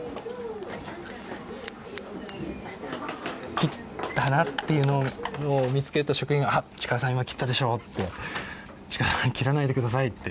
切ったなっていうのを見つけると職員が「あ！力さん今切ったでしょ」って「力さん切らないで下さい」って。